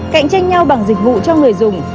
cạnh tranh nhau bằng dịch vụ cho người dùng